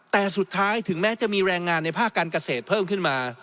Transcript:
แต่สุดท้ายถึงแม้จะมีแรงงานในภาคการเกษตรเพิ่มขึ้นมา